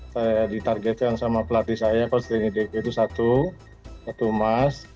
saya ditargetkan sama pelatih saya ini dp itu satu satu emas